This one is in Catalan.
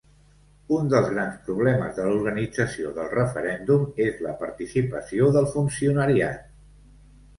Un dels grans problemes de l’organització del referèndum és la participació del funcionariat.